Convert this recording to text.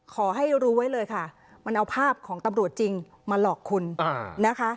ขอให้รู้ไว้เลยค่ะมันเอาภาพของตำรวจจริงมาหลอกคุณนะคะ